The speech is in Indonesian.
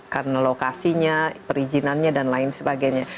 karena lokasinya perizinannya dan lain sebagainya